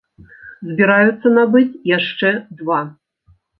Збіраюцца набыць яшчэ два.